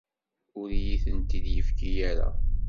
Ur iyi-tent-id yefki ara.